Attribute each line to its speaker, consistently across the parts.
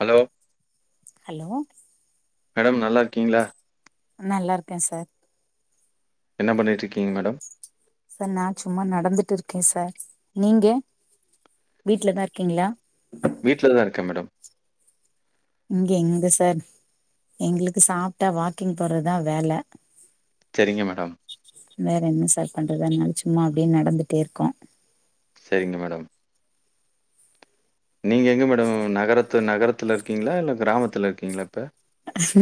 Speaker 1: Hello
Speaker 2: hello
Speaker 1: madam நல்லா இருக்கீங்களா
Speaker 2: நல்லா இருக்கே சார்
Speaker 1: என்ன பண்ணிட்ருக்கீங்க மேடம்.
Speaker 2: சார் நா சும்மா நடந்துட்டுருக்கே சார் நீங்கே வீட்லதாயகருக்கீங்களா வீட்லதாயிருக்கீங்களா
Speaker 1: வீட்லதா இருக்கே மேடம்
Speaker 2: இங்க எங்க சார் எங்ளுக்கு சாப்டா வாக்கிங் போறதுதா வேல
Speaker 1: சரிங்க மேடம்,
Speaker 2: வேற என்ன சார் பண்றதா நெனச் சும்மா அப்டே நடந்துட்டே இருக்கோம்
Speaker 1: செரிங்க மேடம். நீங்க எங்க மேடம் நகரத்து நகரத்துல இருக்கீங்ளா இல்ல கிராமத்துல இருக்கீங்ளா இப்ப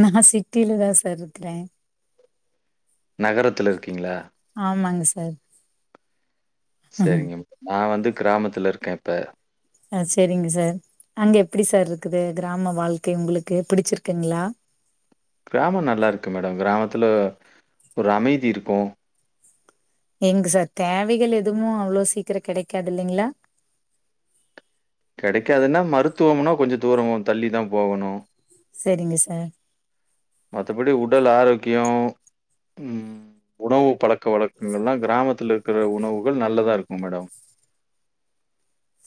Speaker 2: நா சிட்டில தா சார் இருக்குறே
Speaker 1: நகரத்துல இருக்கிங்ளா
Speaker 2: ஆமாங்க சார்
Speaker 1: செரிங்கம் நா வந்து கிராமத்துல இருக்கே இப்ப
Speaker 2: அ செரிங்க சார் அங்க எப்டி சார் இருக்குது கிராம வாழ்க்கை உங்ளுக்கு பிடிச்சுருக்குங்ளா
Speaker 1: கிராமோ நல்லாருக்கு மேடம் கிராமத்துல ஒரு அமைதி இருக்கோ
Speaker 2: எங்கு சார் தேவைகள் எதுவும் அவ்ளோ சீக்கிர கெடைக்காது இல்லைங்ளா
Speaker 1: கெடைக்காதுன்னா மருத்துவம்னா கொஞ்ச தூரோ தள்ளி தா போகணும்
Speaker 2: செரிங்க சார்.
Speaker 1: மத்தபடி உடல் ஆரோக்யோ ம் உணவு பழக் க்க வழக்கங்கல்லாம் கிராமத்துல ருக்கிற உணவுகள் நல்லதாருக்கும் மேடம்.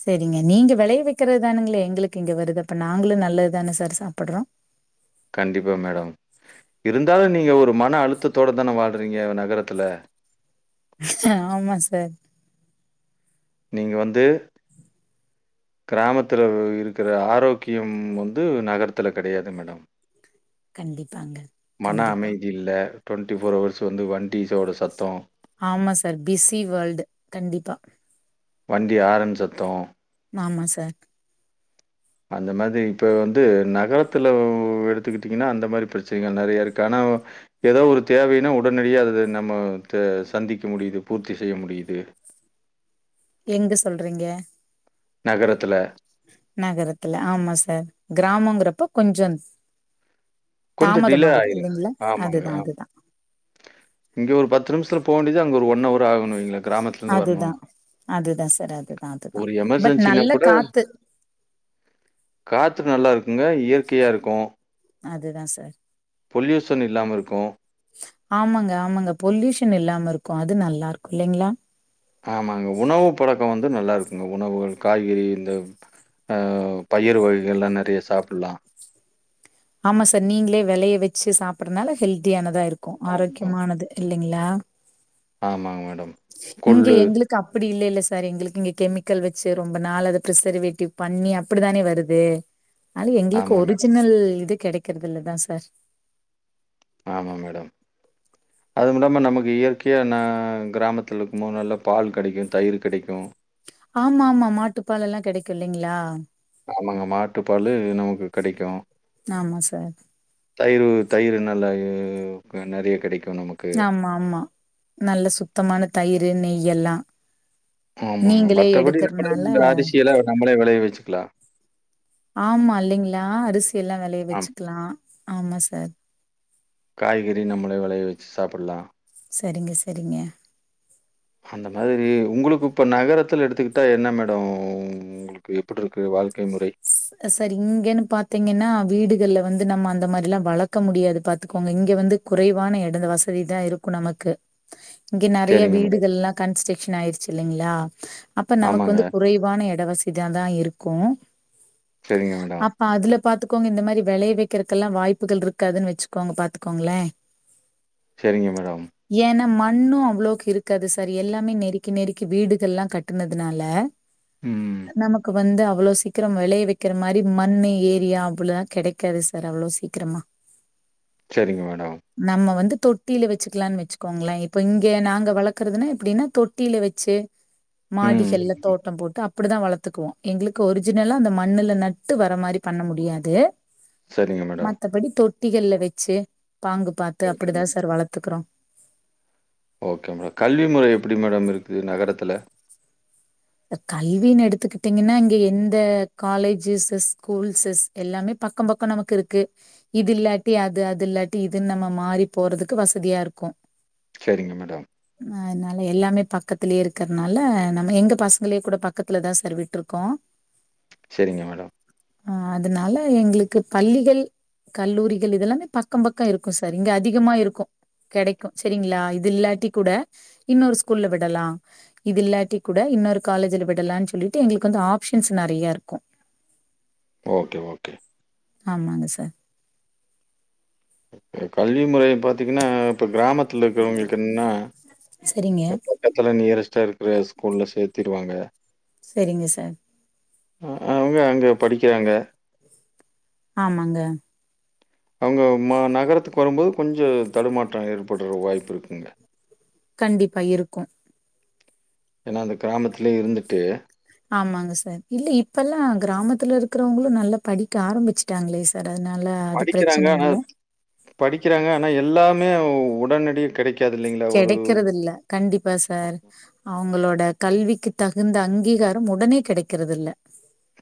Speaker 2: செரிங்க நீங்க வெளைய வைக்கறத்தானுங்களே எங்ளுக்கு இங்க வருது அப்ப நாங்ளும் நல்லத்தானே சார் சாப்பட்றோம்
Speaker 1: கண்டிப்பா மேடம் இருந்தாலும் நீங்க ஒரு மன அழுத்தத்தோட தான வாழ்றீங்க நகரத்துல
Speaker 2: ஆமா சார்.
Speaker 1: நீங்க வந்து கிராமத்துல இருக்கிற ஆரோக்யம் வந்து நகரத்துல கெடையாது மேடம்.
Speaker 2: கண்டிப்
Speaker 1: மன அமைதி இல்ல ட்வொன்ட்டி ஃபோர் ஹவர்ஸ் வந்து வண்டீஸ் ஓட சத்தம்
Speaker 2: ஆமா சார் பிசி வோல்டு கண்டிப்பா
Speaker 1: வண்டி ஆரன் சத்தோம்
Speaker 2: ஆமா சார்.
Speaker 1: அந்த மாத்ரி இப்ப வந்து நகரத்துல எடுத்துக்குட்டிங்கன்னா அந்த மாறி ப்ரச்சனைங்க நெறையருக்கு ஆனா எதோ ஒரு தேவைனா உடனடியே அத நம்ம ச சந்திக்க முடியுது பூர்த்தி செய்ய முடியுது.
Speaker 2: எங்க சொல்றிங்க
Speaker 1: நகரத்துல
Speaker 2: நகரத்துல ஆமா சார் கிராமங்கறப்ப கொஞ்சோ
Speaker 1: கொஞ்ச டிலே ஆயிரும் ஆமாங்க ஆமா
Speaker 2: அதுதான்.
Speaker 1: இங்க ஒரு பத்து நிம்ஸத்ல போ வேண்டிது அங்க ஒரு ஒன்னவர் ஆகுண் வைங் கிராமத்லருந்து வரணுன்
Speaker 2: அதுதான். அதுதான் சார். அதுதான், அதுதான்.
Speaker 1: ஒரு
Speaker 2: பட்
Speaker 1: எமர்ஜென்சினா
Speaker 2: நல்ல
Speaker 1: கூட
Speaker 2: காத்து.
Speaker 1: காத்து நல்லாருக் இங்க இயற்கையாருக்கும்
Speaker 2: அதுதான் சார்.
Speaker 1: பொல்யூசன் இல்லாமருக்கும்
Speaker 2: ஆமாங்க ஆமாங்க பொல்யூஷன் இல்லாமருக்கும் அது நல்லாருக்கு இல்லைங்ளா
Speaker 1: ஆமாங்க உணவு பழக்கோ வந்து நல்லாருக்குங்க உணவுகள் காய்கறி இந்த ஆ பயிரு வகைகல்லாம் நெறைய சாப்புல்லாம்.
Speaker 2: ஆமா சார் நீங்களே விளைய வச்சு சாப்பிடறதுனால ஹெல்தியானதா இருக்கும் இருக்கும்
Speaker 1: ம்.
Speaker 2: ஆரோக்கியமானது இல்ல ங்களா
Speaker 1: ஆமாங்க மேடம்.
Speaker 2: இங்க
Speaker 1: கொள்ளு.
Speaker 2: எங்களுக்கு அப்படி இல்லலைல்ல சார் சரி எங்களுக்கு இங்க கெமிக்கல் வச்சு ரொம்ப நாள் அத பிரிசர்வேட்டிவ் பண்ணி அப்படித்தானே வருது ஆன எங்களுக்கு
Speaker 1: ஆமா மேடம்.
Speaker 2: ஒரிஜினல் இது கிடைக்கிறது இலதான் சார்
Speaker 1: ஆமாம் மேடம் அதுவும்லாமல் நமக்கு இயற்கையாக ந கிராமத்தில் இருக்கும்போது நல்ல பால் கிடைக்கும் தயிர் கிடைக்கும்
Speaker 2: ஆமா ஆமா மாட்டுப்பால் எல்லாம் கிடைக்கும் இல்லைங்களா
Speaker 1: ஆமாங்க மாட்டு பாலு நமக்கு கிடைக்கும்
Speaker 2: ஆமா சார்.
Speaker 1: தயிர் தயிர் நல்லா நிறைய கிடைக்கும்
Speaker 2: ஆமா ஆமா நல்ல சுத்தமான தயிர் அது நெய் எல்லாம்
Speaker 1: ஆமாங்க
Speaker 2: நீங்களே
Speaker 1: மற்றபடி நம்மளே
Speaker 2: எடுக்கறனால
Speaker 1: இந்த அரிசியல்ல நம்மளே விளைைய வச்சு க்லா
Speaker 2: ஆமா இல்லைங்ளா அரிசி எல்லாம் வெளய
Speaker 1: ஆமா.
Speaker 2: வச்சிக்லாம் ஆமா சார்
Speaker 1: காய்கறி நம்மலே வெளய வச்சி சாப்பலாம்
Speaker 2: சரிங்க சரிங்க
Speaker 1: அந்த மாதிரி உங்களுக்கு இப்ப நகரத்துல எடுத்துக்கிட்டா என்ன மேடம் உங்களுக்கு எப்டி இருக்கு வாழ்க்கை முறை
Speaker 2: சார் இங்கன்னு பாத்தீங்கன்னா வீடுகள்ல வந்து நம்ம அந்த மாதிரில்லாம் வளக்க முடியாது பாத்துக்கோங்க இங்க வந்து குறைவான இட வசதிதான் இருக்கும் நமக்கு இங்கே நறைய
Speaker 1: சரிங்க மேடம்
Speaker 2: வீடுகள்ல்லாம் கன்ஸ்ட்ரக்ஷன் ஆயிருச்சு இல்லைங்ளா அப்ப நமக்கு
Speaker 1: ஆமாங்க
Speaker 2: வந்து குறைவான இடவசதியாதா இருக்கும்
Speaker 1: சரிங்க மேடம்
Speaker 2: பாத்துக்கோங்க இந்த மாரி வெளைய வைக்கிறதுக்கல்லாம் வாய்ப்புகள் இருக்காதுன்னு வச்சுக்கோங்க பாத்துக்கோங்களேன்
Speaker 1: சரிங்க மேடம்
Speaker 2: மண்ணும் அவ்வளவுக்கு இருக்காது சார் எல்லாமே நெருக்கி நெருக்கி வீடுகள்ல்லாம் கட்டனதுனால
Speaker 1: ம்
Speaker 2: நமக்கு வந்து அவ் அவ்ளோ சீக் க்கிறம் வெளைய வைக்கிற மாரி மண்ணு ஏரியா [unintelligible] கிடைக்காது சார் அவ்வளவு சீக்கிரமா
Speaker 1: சரிங்க மேடம்
Speaker 2: தொட்டியில வச்சுக்கலாம்னு வச்சுக்கோங்களேன் இப்ப இங்க நாங்க வளர்க்கறதுன்னா எப்படின்னா தொட்டியில வச்சு
Speaker 1: ம்
Speaker 2: மாடிகள்ல தோட்டம் போட்டு அப்படிதான் வளர்த்துக்குவோம் எங்களுக்கு ஒரு ஒரிஜினல்லா அந்த மண்ணுல நட்டு வர மாதிரி பண்ண முடியாது
Speaker 1: சரிங்க மேடம்
Speaker 2: மத்தபடி தொட் டிகள்ல வச்சு பாங்கு பாத்து அப்படிதான் சார் வளர்த்துக்குறோம்
Speaker 1: ஓகேங்க கல்வி முறை எப்டி மேடம் இருக்குது நகரத்துல
Speaker 2: ப்ப கல்வினு எடுத்துக்கிட்டீங்கன்னா இங்க எந்த காலேஜஸ்ஸஸ் ஸ்கூல்ஸஸ் எல்லாமே பக்கம் பக்கம் நமக்கு இருக்கு இது இல்லாட்டி அது அது இல்லாட்டி இதுன்னு நம்ம மாறி போறதுக்கு வசதியா இருக்கும்
Speaker 1: சரிங்க மேடம்
Speaker 2: அ அன்னால எல்லாமே பக்கத்திலேயே இருக்கிறதுனால நம்ம எங்க பஸ் ங்களே கூட பக்கத்துல தான் சார் விட்டுருக்கோம்
Speaker 1: செரிங்க மேடம்
Speaker 2: அ அதனால எங்களுக்கு பள்ளிகள் கல்லூரிகள் இதெல்லாமே பக்கம் பக்கம் இருக்கும் சார் இங்க அதிகமா இருக்கும் கிடைக்கும் சரிங்களா இது இல்லாட்டி கூட இன்னொரு ஸ்கூல்ல விடலாம் இது இல்லாட்டி கூட இன்னொரு காலேஜ்ல விடலான்னு சொல்லிட்டு எங்களுக்கு வந்து ஆப்ஷன்ஸ் நறையா இருக்கும்
Speaker 1: ஓகே ஓகே
Speaker 2: ஆமாங்க சார்
Speaker 1: அ கல்வி முறை பாத்தீங்கன்னா இப்போ கிராமத்துல இருக்கிறவங்களுக்கு ன்னா
Speaker 2: சரிங்க
Speaker 1: பக்கத்துல நியரஸ்ட் ல இருக்கற ஸ்கூல்ல சேர்த்திருவாங்க
Speaker 2: செரிங்க சார்
Speaker 1: அ அவங்க அங்க படிக்கிறாங்க
Speaker 2: ஆமாங்க
Speaker 1: அவங்க ம நகரத்துக்கு வரும்போது கொஞ்சம் தடுமாற்றம் ஏற்படுற வாய்ப்பு இருக்குங்க
Speaker 2: கண்டிப்பா இருக்கும்
Speaker 1: ஏன்னா அந்த கிராமத்துலயே இருந்துட்டு
Speaker 2: ஆமாங்க சார் இல்ல இப்பல்லா கிராமத்துல இருக்கிறவங்களும் நல்லா படிக்க ஆரம்பிச்சிட்டாங்களே சார் அதனால அது
Speaker 1: படிக்கிறாங்க
Speaker 2: பிரச்சனை
Speaker 1: ஆனா
Speaker 2: இல்ல.
Speaker 1: அத் படிக்கிறாங்க ஆனா எல்லாமே ஒ உடனடியே கிடைக்
Speaker 2: கிடைக்கிறது இல்ல கண்டிப்பா சார் அவங்கலோட் ட கல்விக்கு தகுந்த அங்கீகாரம் உடனே கிடைக்கிறது இல்ல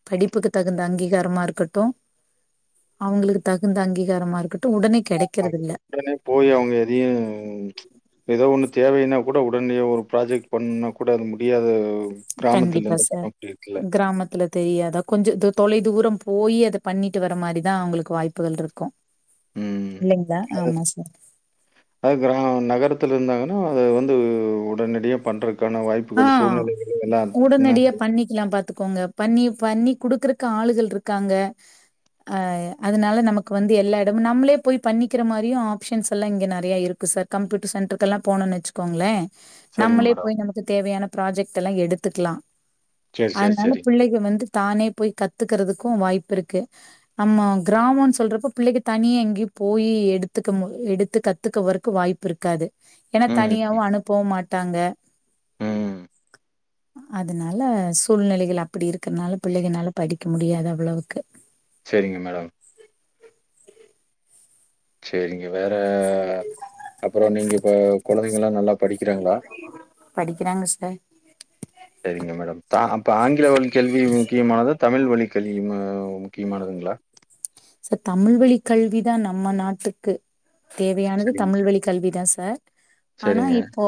Speaker 2: படிப்புக்கு தகுந்த அங்கீகாரமா இருக்கட்டும் அவங்களுக்கு தகுந்த அங்கீகாரமா இருக்கட்
Speaker 1: [inaudible] னே போய் அவங்க எதையும் ஏதோ ஒன்னு தேவைனா கூட உடனேயே ஒரு ப்ராஜெக்ட் பண்னுணா கூட அது முடியாது
Speaker 2: கண்டிப்பா சார் கிராமத்துல தெரியாதா கொஞ்ச து தொலை தூரம் போய் அத பண்ணிட்டு வர மாரிதான் அவங்களுக்கு வாய்ப்புகள்ருக்கும்
Speaker 1: உம் அது அது கிராமம் நகரத்துல இருந்தாங்கன்னா அது வந்து உடனடியே பண்றக் க்கான வாய்ப்புகள்
Speaker 2: ஆ.
Speaker 1: சூழ்நிலைகள் எல்லாம் நாக்
Speaker 2: த்துக்கோங்க பண்ணி பண்ணி குடுக்கறக்கு ஆளுகள் இருக்காங்க அஹ் அதனால நமக்கு வந்து எல்லா இடமும் நம்ளே போய் பண்ணிக்கிற மாரியும் ஆப்ஷன்ஸ் எல்லா இங்க நிறைய இருக்கு சார் கம்ப்யூட்டர் சென்டர்கெல்லா போணும்ன்னு வச்சுக்கோங்களேன் ஷ்
Speaker 1: சரிங்க
Speaker 2: நம்மளே
Speaker 1: மேடம்.
Speaker 2: போய் நமக் வேயான ப்ராஜெக்ட் எல்லா எடுத்துக்கலாம்
Speaker 1: சரி, சரி,
Speaker 2: அதனால
Speaker 1: சரி.
Speaker 2: பிள்ளைக வந்து தானே போய் கத்துக்குறதுக்கும் வாய்ப்பு இருக்கு அம்ம கிராமோனு சொல்றப்ப பிள்ளைக்கு தனியே எங்கேயும் போய் எடுத்துக்க மொ எடுத்து கத்துக்க வறக்கு வாய்ப்பு இருக்காது ஏன்னா
Speaker 1: ம்,
Speaker 2: தனியாவும் அனுப்பவும் மாட் ட்டாங்க
Speaker 1: ம்.
Speaker 2: அதனால சூழ்நிலைகள் அப்படி இருக்கிறதுனால பிள்ளைகனால படிக்க முடியாது அவ்ளவுக்கு
Speaker 1: சேரிங்க மேடம் சேரிங்க வேற ற அப்புறோ நீங்க இப்ப குழந்தைங்கல்லா நல்லா படிக்கிறாங்ளா
Speaker 2: படிக்கிறாங்க சார்
Speaker 1: சேரிங்க மேடம் தா அப்ப ஆங்கில வழி கல்வி முக்கியமானத தமிழ் வழி கல்விமா முக்கியமானதுங்ளா
Speaker 2: சார் தமிழ் வழி கல்விதா நம்ம நாட்டுக்கு தேவையானது
Speaker 1: சரிங்க.
Speaker 2: தமிழ் வழி கல்விதா சார் ஆனா
Speaker 1: சரிங்க.
Speaker 2: இப்போ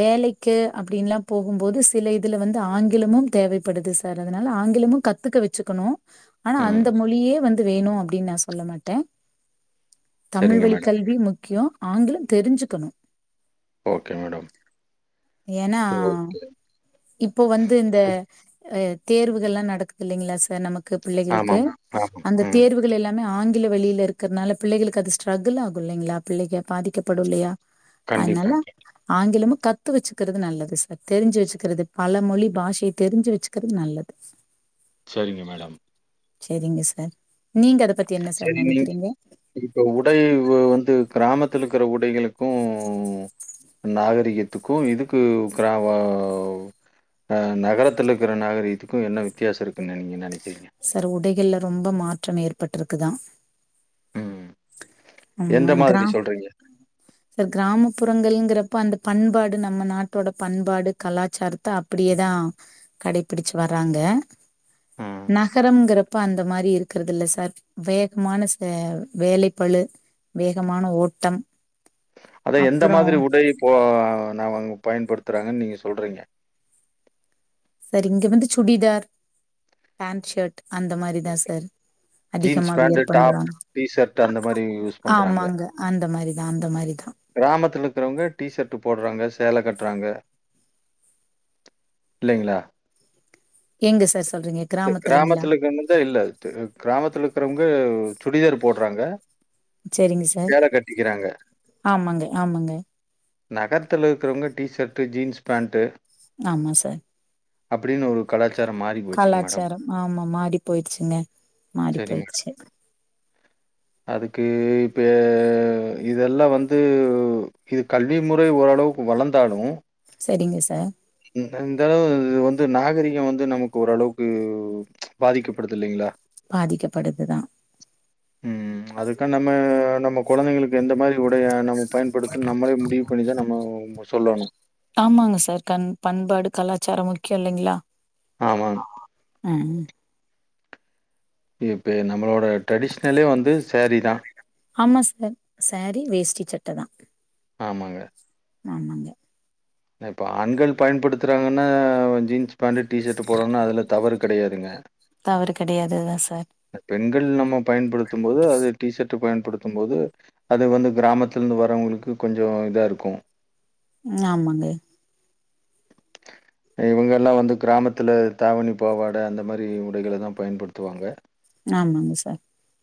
Speaker 2: வேலைக்கு அப்டின்ல்லா போகும்போது சில இதுல வந்து ஆங்கிலமும் தேவைப்படுது சார் அதனால ஆங்கிலமும் கத்துக்க வச்சுக்கணு ஆனா
Speaker 1: ம்.
Speaker 2: அந்த மொழியே வந்து வேணு அப்டின் நா சொல்ல மாட்டே தமிழ்
Speaker 1: சரிங்க
Speaker 2: வழி
Speaker 1: மேடம்.
Speaker 2: கல்வி முக்கியோ ஆங்கிலம் தெரிஞ்சுக்கணு
Speaker 1: ஓகே மேடம்
Speaker 2: ஏன்னா இப்போ வந்து இந்த தேர்வுகள்ள நடக்குது இல்லைங்களா சார் நமக்கு க்கு பிள்ளைகளுக்கு
Speaker 1: ஆமாமா. ஆமா.
Speaker 2: அந்த
Speaker 1: ம்.
Speaker 2: தேர்வுகள் எல்லாமே ஆங் வெளில இருக்கிறனால பிள்ளைகளுக்கு அது ஸ்டரகுள் ஆகுஇல்லைங்ளா பிள்ளைக பாதிக்கப்படு இல்லையா
Speaker 1: கண்டிப்பா.
Speaker 2: அதனால ஆங்கிலமு கத்து வச்சுக்கறது நல்லது சார் தெரிஞ்சு வச்சுக்றது பல மொழி பாஷைய தெரிஞ்சு வச்சுக்கறது நல்லது சார்
Speaker 1: செரிங்க மேடம்
Speaker 2: சேரிங்க சார் நீங்க அத பத்தி என்ன சார்
Speaker 1: செரி நீ
Speaker 2: நெனைக்கிறீங்க
Speaker 1: இப்ப உடை வந்து கிராமத் த்தில் இருக்கிற உடைக்களுக்கூ நாகரீகத்துக்கூ இதுக்கு கிர உ அம் நகரத்தில இருக்கிற நாகரீகத்துக்கூ என்ன வித்தியாச இருக்குன்னு நீங்க நெனைக்கிறிங்க
Speaker 2: சார் உடைகள்ள ரொம்ப மாற்றம் ஏற்பட்டிருக்குதா
Speaker 1: ம்.
Speaker 2: ஆ
Speaker 1: எந்த
Speaker 2: கிர
Speaker 1: மாதிரி சொல்றீங்க?
Speaker 2: சார் கிராமப்புறங்கள்ங்கிற அப்ப அந்த பண்பாடு நம்ம நாட்டோட பண்பாடு கலாச்சாரத்த அப்படியேதா கடைபிடிச்சு வறாங்க
Speaker 1: ம்.
Speaker 2: நகரம்ங்கிறப்ப அந்த மாரி இருக்கறது இல்ல சார் வேகமான ச வேலைப்பழு வேகமான ஓட்டம்
Speaker 1: அதான் எந்த
Speaker 2: அப்புறோ
Speaker 1: மாதிரி உடை போ நான்ங்க பயன்படுத்துறாங்கன்னு நீங்க சொல்றீங்க
Speaker 2: சார் இங்க வந்து சுடிதார் பேண்ட் ஷர்ட் அந்த மாரி தான் சார்
Speaker 1: ஜீன்ஸ்
Speaker 2: அதிகமா
Speaker 1: பேண்ட்டு
Speaker 2: வியர்
Speaker 1: டாப்
Speaker 2: பண்ணுவாங்க
Speaker 1: டிஷர்ட் அந்த மாரி யூஸ் பண்றாங்க
Speaker 2: ஆமாங்க அந்த மாரிதா அந்த மாரிதா
Speaker 1: கிராமத்தில இருக்கிறவங்க டிஷர்ட் போடுறாங்க சேல கட்டுறாங்க இல்லைங்ளா
Speaker 2: எங்க சார் ஸ்
Speaker 1: கிராமத்துல இருக்கிறவக வந்து இல்ல கிராமத்துல இருக்கிறவங்க சுடிதார் போட்றாங்க
Speaker 2: சேரிங்க சார் ஆமாங்க ஆமாங்க
Speaker 1: நகரத்துல இருக்கிறவங்க டீ ஷர்ட்டு ஜீன்ஸ் பேண்ட்டு
Speaker 2: ஆமா சார்
Speaker 1: அப்டின்னு ஒரு கலாச்சாரம் மாறி போச்சுங்க மேடம்.
Speaker 2: கலாச்சாரம் ஆமா மாடி போயிடுச்சுங்க மாடி
Speaker 1: சரி மேடம்.
Speaker 2: போயிருச்சு
Speaker 1: அதுக்கு இப்ப இதெல்லா வந்து இது கல்வி முறை ஓரளவுக்கு வளர்ந்தாலு
Speaker 2: செரிங்க சார்
Speaker 1: இந்த அளவு இது வந்து நாகரீகம் வந்து நமக்கு ஓரளவுக்கு பாதிக்கப்படுது இல்லைங்களா
Speaker 2: பாதிக்கப்படுது தான்
Speaker 1: உம் அதுக்க நம்ம நம்ம கொழந்தைங்களுக்கு எந்த மாரி உடைய நம்ம பயன்படுத்த நம்மளே முடிவு பண்ணிதான் நம்ம சொல்லணு
Speaker 2: ஆமாங்க சார் கண் பண்பாடு கலாச்சாரம் முக்கியம் இல்லைங்ளா
Speaker 1: ஆமாங்க.
Speaker 2: ம்
Speaker 1: இப்ப நம்மளோட ட்ரெடிஷ்னலே வந்து சேரீதான்
Speaker 2: ஆமாம் சார் சாரீ வேஷ்டி சட்ட தான்
Speaker 1: ஆமாங்க
Speaker 2: ஆமாங்க
Speaker 1: இப்போ ஆண்கள் பயன்படுத்துறாங்கன்னா ஜீன்ஸ் பேண்ட் டி ஷர்ட் போட்டோனா அதுல தவறு கெடையாதுங்க
Speaker 2: தவறு கெடையாது தா சா
Speaker 1: பெண்கள் நம்ம பயன்படுத்தும் போது அது டி ஷர்ட் பயன் படுத்தும் போது அது வந்து கிராமத்தில இருந்து வரவங்களுக்கு கொஞ்சோ இதா இருக்கோ
Speaker 2: உம் ஆமாங்க
Speaker 1: இவுங்கல்லா வந்து கிராமத்துல தாவணி பாவாட அந்த மாரி உடைகள தா பயன்படுத்துவாங்க
Speaker 2: ஆமாங்க சார்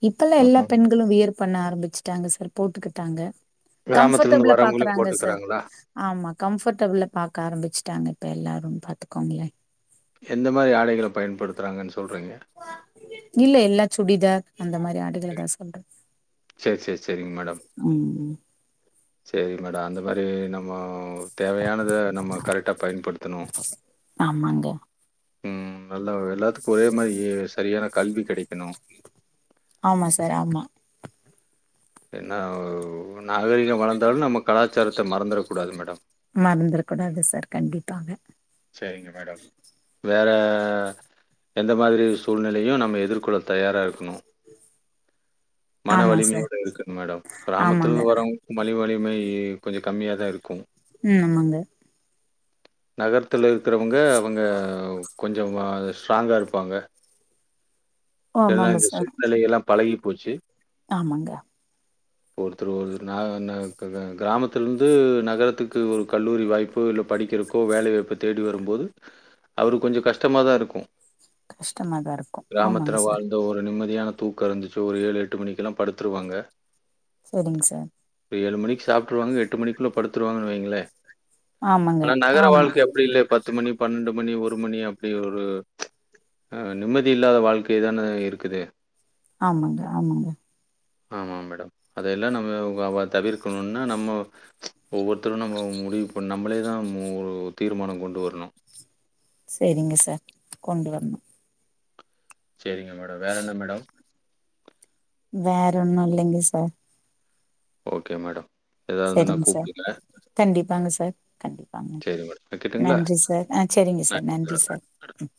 Speaker 2: இப்பல்லா எல்லா
Speaker 1: அதனால
Speaker 2: பெண்களும் வியர் பண்ண ஆரம்பிச்சுட்டாங்க சார் போட்டுக்கி ட்டாங்க
Speaker 1: கிராமத்துலருந்து
Speaker 2: கம்ஃப்டபிள்ள
Speaker 1: வரவங்களே
Speaker 2: பாக்குறாங்க சார்
Speaker 1: போட்டுக்கிறாங்களா?
Speaker 2: ஆமா கம்ஃப்டபிள்ள பாக்க ஆரம்பிச்சுட்டாங்க இப்ப எல்லாரும் பாத்துக்கோங்களே
Speaker 1: எந்த மாரி ஆடைகளை பயன்படுத்துறாங்கன்னு சொல்றீங்க?
Speaker 2: இல்ல எல்லா சூடிதார் அந்த மாரி ஆடைகள தா சொல்றே
Speaker 1: செர செர் செரிங்க மேடம்
Speaker 2: உம்
Speaker 1: செரி மேடம் அந்த மாரி நம்ம தேவையானத நம்ம கரெக்டா பயன்படுத்தணு
Speaker 2: ஆமாங்க.
Speaker 1: உஹம் நல்ல எல்லாத்துக்கோ ஒரே மாரி சரியான கல்வி கெடைக்கணு
Speaker 2: ஆமா சார் ஆமா
Speaker 1: என்ன நா நாகரீகோ வளந்தாலு நம்ம கலாச்சாரத்த மறந்துடக் கூடாது மேடம்
Speaker 2: மறந்துர கூடாது சார் கண்டிப்பாக
Speaker 1: சேரிங்க மேடம் வேற எந்த மாதிரி சூழ்நிலையு நம்ம எதிர்கொள்ள தயாராக இருக்கணும் மன
Speaker 2: ஆமா சார்.
Speaker 1: வலிமையோட இருக்கனும் மேடம் கிராமத்துல
Speaker 2: ஆமாங்க.
Speaker 1: இருந்து வர்றவங்களுக்கு மன வலிமை கொஞ்சோ கம்மியா தா இருக்கும்
Speaker 2: உம் ஆமாங்க
Speaker 1: நகர் துல இருக்கறவங்க அவுங்க கொஞ்சோ ஸ்ட்ராங்கா இருப்பாங்க எல்லா
Speaker 2: ஆமாங்க
Speaker 1: இந்த
Speaker 2: சார்.
Speaker 1: சூழ்நிலை எல்லா பழகி போச்சி
Speaker 2: ஆமாங்க
Speaker 1: ஒருத்தர் ஒரு ந ந நா கிராமத்துல இருந்து நகரத்துக்கு ஒரு கல்லூரி வாய்ப்பு இல்ல படிக்கிறக்கோ வேலை வாய்ப்பு தேடி வரும்போது அவருக்கு கொஞ்சோ கஷ்டமாதா இருக்கோ
Speaker 2: கஷ்டமாதாருக்கூ ஆமா
Speaker 1: ர் தட வாழ்ந்த ஒரு நிம்மதி தியான தூக்கோ இருந்துச்சு ஒரு ஏழு எட்டு மணிக்கெல்லா படுத்துருவாங்க
Speaker 2: செரிங் சார்
Speaker 1: ஏழு மணிக்கு சாப்ட்டுருவாங்க எட்டு மணிக்குள்ள படுத்துருவாங்க வைங்களே
Speaker 2: ஆமாங்க.
Speaker 1: ஆனா நகர
Speaker 2: ஆமா.
Speaker 1: வாழ்க்க அப்டி இல்ல பத்து மணி பன்னெண்டு மணி ஒரு மணி அப்படி ஒரு அ நிம்மதி இல்லாத வாழ்க் க தான இருக்குது
Speaker 2: ஆமாங்க ஆமாங்க
Speaker 1: ஆமா மேடம் அதெல்லா நம்ம [unintelligible] அவ தவிர்க்கணுன்னா நம்ம ச்ச் ஒவ்வொருத்தரு நம்ம முடிவு இப் நம்பளே தா ஒரு தீர்மானொ கொண்டு வரணு
Speaker 2: செரிங்க சார் கொண்டு வர்ணு
Speaker 1: செரிங்க மேடம் வேற என்ன மேடம்
Speaker 2: வேற ஒன்னு இல்லைங்க சார்
Speaker 1: ஓக்கே மேடோ
Speaker 2: செரிங் சார் கண்டிப்பாங்க சார் கண்டிப்பாங்க
Speaker 1: சரி மேடம். வைக்கட்டுங்களா?
Speaker 2: நன்றி சார் அ செரிங்க சார் நன்றி சார் ம்